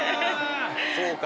そうか。